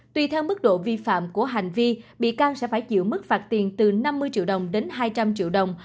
tùy theo mức độ vi phạm của hành vi bị can sẽ phải chịu mức phạt tiền từ năm mươi triệu đồng đến hai trăm linh triệu đồng